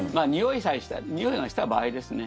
においがした場合ですね。